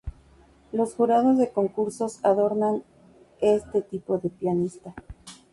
Los jurados de concursos adoran a este tipo de pianista.